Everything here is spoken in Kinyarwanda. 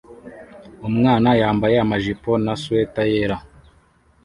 Umwana yambaye amajipo na swater yera